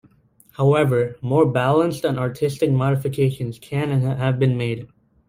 However, more balanced and artistic modifications can and have been made.